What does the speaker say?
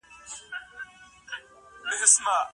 تل په موسکا سره خبرې کوه.